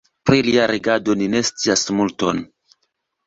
Pri lia regado ni ne scias multon.